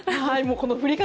この振り方。